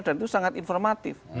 dan itu sangat informatif